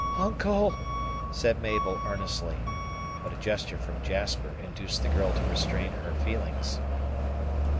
"Uncle!" said Mabel earnestly; but a gesture from Jasper induced the girl to restrain her feelings.